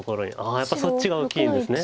やっぱりそっちが大きいんですね。